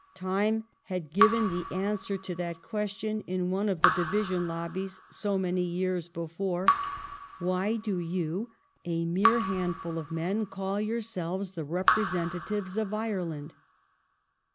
Time had given the answer to that question in one of the division lobbies so many years before; Why do you, a mere hand 368 THE STORY OF GLADSTONE'S LIFE ful of men, call yourselves the representatives of Ireland?